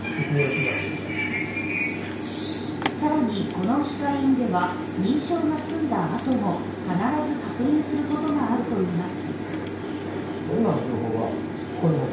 更に、この歯科医院では認証が済んだあとも必ず確認することがあるといいます。